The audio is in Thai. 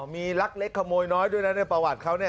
อ้อมีลักเล็กขโมยน้อยด้วยนะในประวัติเขา